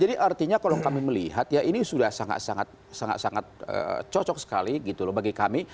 jadi artinya kalau kami melihat ya ini sudah sangat sangat cocok sekali gitu loh bagi kami